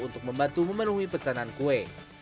untuk membantu memenuhi pesanan kue